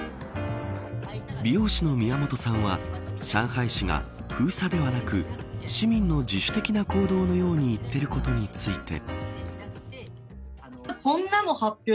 美容師の宮本さんは上海市が封鎖ではなく市民の自主的な行動のように言っていることについて。